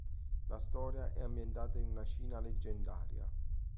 La storia è ambientata in una Cina leggendaria.